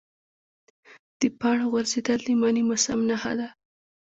د پاڼو غورځېدل د مني موسم نښه ده.